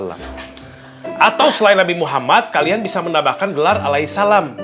atau selain nabi muhammad kalian bisa menambahkan gelar alai salam